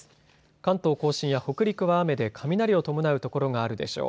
関東甲信や北陸は雨で雷を伴う所があるでしょう。